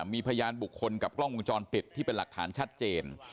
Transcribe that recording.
มีพยานบุคคลกับกล้องวงจรปิดที่เป็นหลักฐานชัดเจน